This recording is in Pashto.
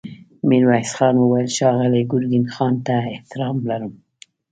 ميرويس خان وويل: ښاغلي ګرګين خان ته احترام لرم.